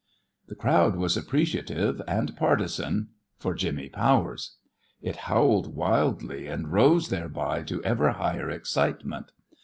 The crowd was appreciative and partisan for Jimmy Powers. It howled wildly, and rose thereby to ever higher excitement.